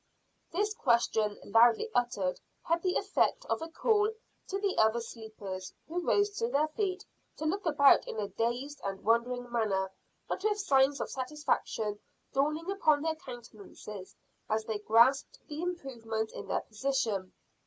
This question, loudly uttered, had the effect of a call to the other sleepers, who rose to their feet to look about in a dazed and wondering manner, but with signs of satisfaction dawning upon their countenances as they grasped the improvement in their position.